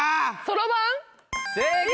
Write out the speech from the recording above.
正解！